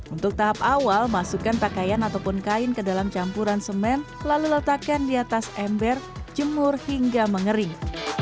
untuk tahap awal masukkan pakaian ataupun kain ke dalam campuran semen lalu letakkan di atas ember jemur hingga mengering